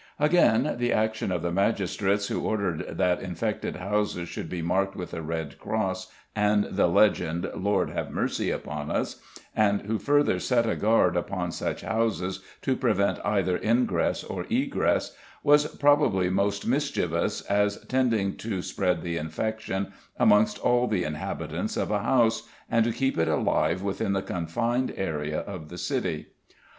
Again, the action of the magistrates, who ordered that infected houses should be marked with a red cross and the legend "Lord, have mercy upon us," and who further set a guard upon such houses to prevent either ingress or egress, was probably most mischievous, as tending to spread the infection amongst all the inhabitants of a house, and to keep it alive within the confined area of the city.